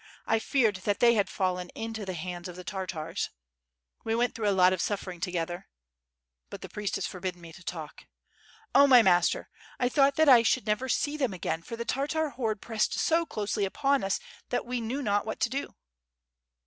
I feared that they had fallen into the hands of the Tartars .... we went through a lot of suffering together .... but the priest has forbidden me to talk. ... Oh, my 51 8o2 ^iTB FIRE AND SWORD. master, I thought that I should never see them again, for the Tartar horde pressed so closely upon us that we knew not what to do."